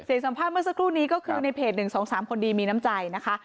สัมภาษณ์เมื่อสักครู่นี้ก็คือในเพจ๑๒๓คนดีมีน้ำใจนะคะ